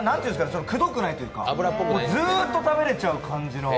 くどくないというか、ずっと食べれちゃう感じの。